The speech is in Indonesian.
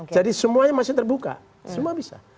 jadi semuanya masih terbuka semua bisa